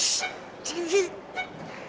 shh di sini